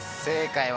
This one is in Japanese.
正解！